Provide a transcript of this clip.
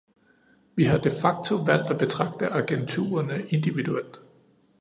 Vi har de facto valgt at betragte agenturerne individuelt.